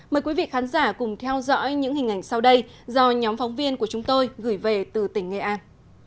mời quý vị khán giả cùng theo dõi những hình ảnh sau đây do nhóm phóng viên của chúng tôi gửi về từ tỉnh nghệ an